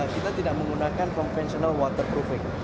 kita tidak menggunakan konvensional waterproofing